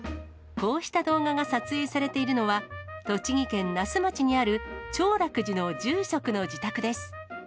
こうした動画が撮影されているのは、栃木県那須町にある長楽寺の住職の自宅です。